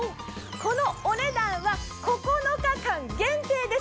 このお値段は９日間限定です。